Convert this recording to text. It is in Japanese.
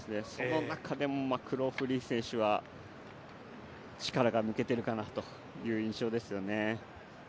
その中でもマクローフリン選手は力が抜けているかなという印象ですね。